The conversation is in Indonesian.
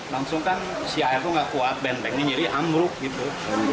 langsung kan si air itu nggak kuat bentengnya jadi ambruk gitu